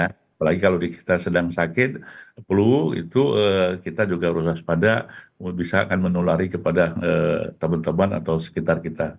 apalagi kalau kita sedang sakit flu itu kita juga harus waspada bisa akan menulari kepada teman teman atau sekitar kita